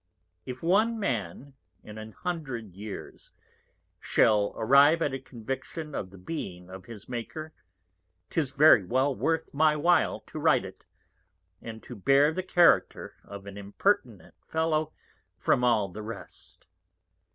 _ _If one Man, in an Hundred Years, shall arrive at a Conviction of the Being of his Maker, 'tis very well worth my While to write it, and to bear the Character of an impertinent Fellow from all the rest.